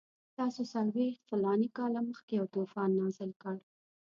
تاسو څلوېښت فلاني کاله مخکې یو طوفان نازل کړ.